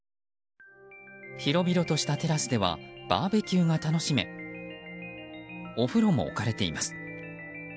広々としたテラスではバーベキューが楽しめお風呂も置かれています。